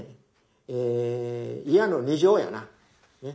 え嫌の二乗やな。